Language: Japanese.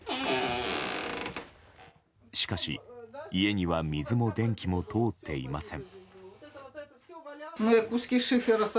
しかし、家には水も電気も通っていません。